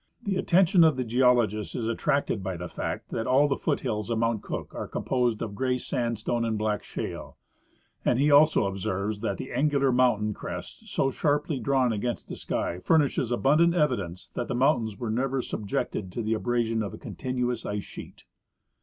The attention of the geologist is attracted by the fact that all the foot hills of Mount Cook are composed of gray sandstone and black shale ; and he also observes that the angular mountain crest so sharply drawn against the sky furnishes abundant evi dence that the mountains were never subjected to the abrasion of a continuous ice sheet.